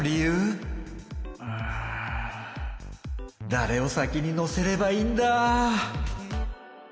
だれを先に乗せればいいんだ？